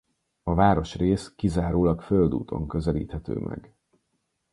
A városrész kizárólag földúton közelíthető meg.